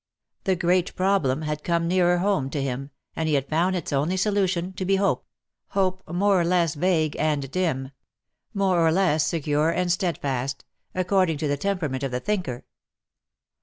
The great problem had come nearer home to him — and he had found its only solution to be hope — hope more or less vague and dim — 280 more or less secure and steadfast — according to the temperament of the thinker.